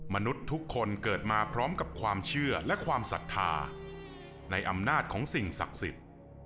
มนุษย์ทุกคนเกิดมาพร้อมกับความเชื่อและความศรัทธาในอำนาจของสิ่งศักดิ์สิทธิ์